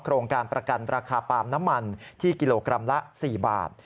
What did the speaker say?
โครงการประกันราคาปาล์มน้ำมันที่กิโลกรัมละ๔บาท